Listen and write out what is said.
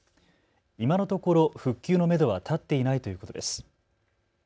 今のところ復旧のめどは立っていないということです。